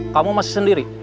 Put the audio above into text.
kamu masih sendiri